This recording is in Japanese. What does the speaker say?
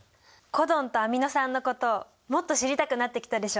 コドンとアミノ酸のこともっと知りたくなってきたでしょ？